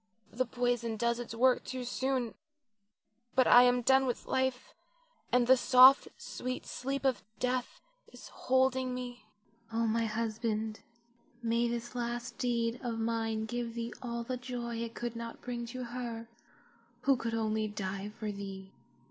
The poison does its work too soon; but I am done with life, and the soft, sweet sleep of death is holding me. Oh, my husband, may this last deed of mine give thee all the joy it could not bring to her who could only die for thee.